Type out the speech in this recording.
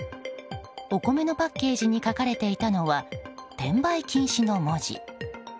お米のパッケージに書かれていたのは「転売禁止」の文字。